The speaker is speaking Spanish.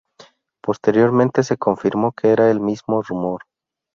Posteriormente se confirmó que era el mismo rumor.